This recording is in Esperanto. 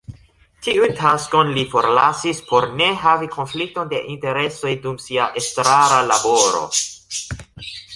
Tiun taskon li forlasis por ne havi konflikton de interesoj dum sia estrara laboro.